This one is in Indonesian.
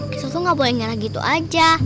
kita tuh gak boleh nyerah gitu aja